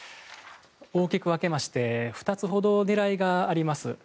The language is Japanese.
大きく分けまして２つほど狙いがあります。